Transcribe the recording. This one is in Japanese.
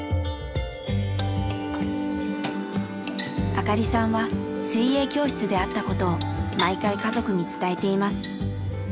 明香里さんは水泳教室であったことを毎回家族に伝えています。